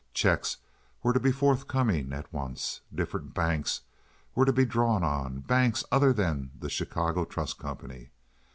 Checks were to be forthcoming at once. Different banks were to be drawn on—banks other than the Chicago Trust Company.